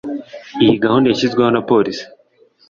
Iyi gahunda yashyizweho na Polisi